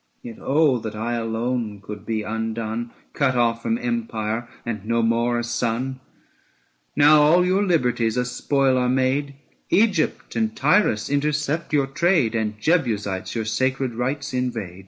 Yet oh that I alone could be undone, Cut off from empire, and no more a son ! Now all your liberties a spoil are made, Egypt and Tyrus intercept your trade, 705 And Jebusites your sacred rites invade.